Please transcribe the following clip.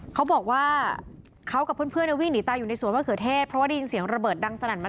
เขาบอกว่าเขากับเพื่อนเพื่อนในวิ่งหนีตายอยู่ในสวนวัตเกอเทศเพราะว่าได้ยินเสียงระเบิดดังสลั่นมาจากฝั่งกาซ่า